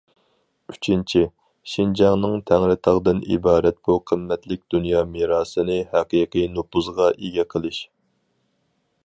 ئۈچىنچى، شىنجاڭنىڭ تەڭرىتاغدىن ئىبارەت بۇ قىممەتلىك دۇنيا مىراسىنى ھەقىقىي نوپۇزغا ئىگە قىلىش.